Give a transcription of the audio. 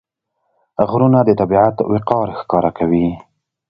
غرونه د طبیعت وقار ښکاره کوي.